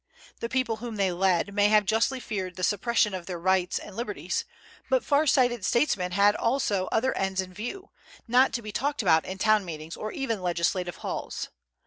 The people whom they led may have justly feared the suppression of their rights and liberties; but far sighted statesmen had also other ends in view, not to be talked about in town meetings or even legislative halls.